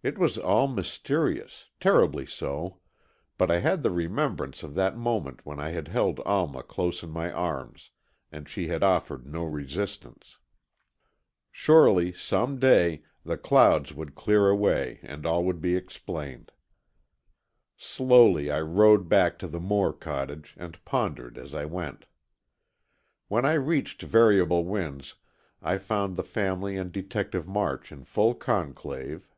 It was all mysterious, terribly so, but I had the remembrance of that moment when I had held Alma close in my arms, and she had offered no resistance. Surely, some day, the clouds would clear away and all would be explained. Slowly I rowed back to the Moore cottage and pondered as I went. When I reached Variable Winds, I found the family and Detective March in full conclave.